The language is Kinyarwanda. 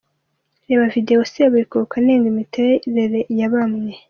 Reba Videwo Seburikoko anenga imiteretere ya bamwe .